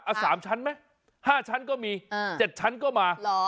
เอา๓ชั้นไหม๕ชั้นก็มี๗ชั้นก็มา